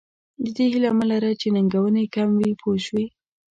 د دې هیله مه لره چې ننګونې کم وي پوه شوې!.